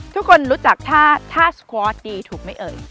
ทุกคนรู้จักท่าสควอร์ดดีถูกมั้ยเอ๋ย